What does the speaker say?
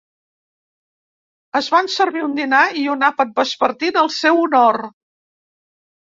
Es van servir un dinar i un àpat vespertí en el seu honor.